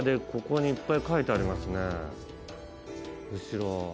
後ろ。